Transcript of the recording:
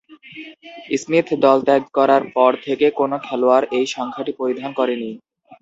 Smith দল ত্যাগ করার পর থেকে কোন খেলোয়াড় এই সংখ্যাটি পরিধান করেনি।